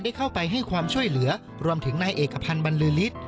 เข้าไปให้ความช่วยเหลือรวมถึงนายเอกพันธ์บรรลือฤทธิ์